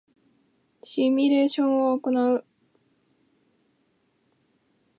シミュレーションを行う